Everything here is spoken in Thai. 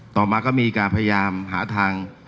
ต่อมาก็มีการพยายามหาทาง